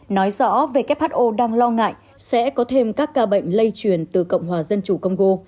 nói rõ who đang lo ngại sẽ có thêm các ca bệnh lây truyền từ cộng hòa dân chủ congo